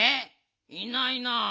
いないな。